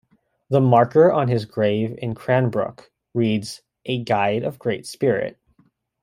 The marker on his grave in Cranbrook reads "A guide of great spirit".